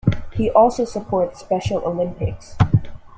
He also supports Special Olympics.